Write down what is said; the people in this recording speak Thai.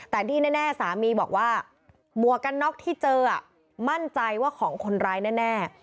แต่ที่แน่สามีบอกว่าหมวกกันน็อกที่เจอมั่นใจว่าของคนร้ายแน่